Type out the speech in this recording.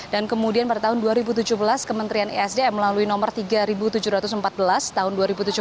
dan kemudian pada tahun dua ribu tujuh belas kementerian esdm melalui nomor tiga ribu tujuh ratus empat belas tahun dua ribu tujuh belas